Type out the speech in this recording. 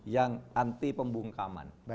yang anti pembungkaman